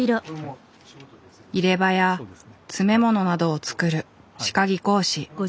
入れ歯や詰め物などを作る歯科技工士。